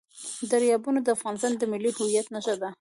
دریابونه د افغانستان د ملي هویت نښه ده.